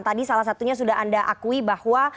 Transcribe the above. tadi salah satunya sudah anda akui bahwa